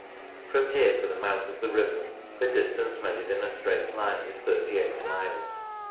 From here to the mouth of the Ribble the distance measured in a straight line is 38 miles.